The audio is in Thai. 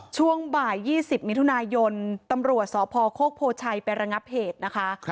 ช่วงบ่าย๒๐มิถุนายนตำรวจสพโคกโพชัยไประงับเหตุนะคะ